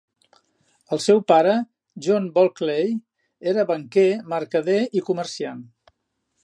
El seu pare, John Bulkeley, era banquer, mercader i comerciant.